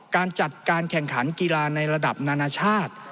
การจัดการแข่งขันกีฬาในระดับนานาชาติ